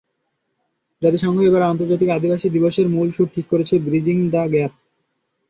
জাতিসংঘ এবার আন্তর্জাতিক আদিবাসী দিবসের মূল সুর ঠিক করেছে, ব্রিজিং দ্য গ্যাপ।